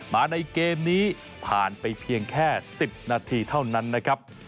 มาในเกมนี้ผ่านไปเพียงแค่๑๐นาทีเท่านั้นนะครับ